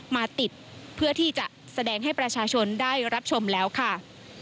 มาติดเพื่อที่จะแสดงให้ประชาชนได้รับชมแล้วค่ะ